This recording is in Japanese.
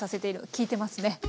きいてますね。